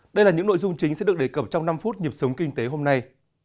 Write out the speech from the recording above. đây là những nội dung chính sẽ được đề cập trong năm phút nhịp sống kinh tế hôm nay